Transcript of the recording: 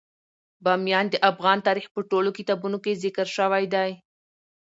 بامیان د افغان تاریخ په ټولو کتابونو کې ذکر شوی دی.